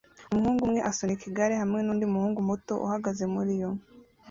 Umuhungu umwe asunika igare hamwe nundi muhungu muto uhagaze muriyo